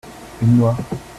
une noire.